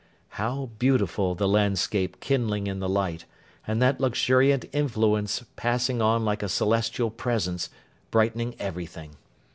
How beautiful the landscape kindling in the light, and that luxuriant influence passing on like a celestial presence, brightening everything!